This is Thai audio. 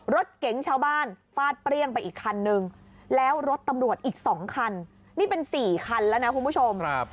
รถเก๋งชาวบ้านฟาดเปรี้ยงไปอีกคันนึงแล้วรถตำรวจอีก๒คันนี่เป็น๔คันแล้วนะคุณผู้ชม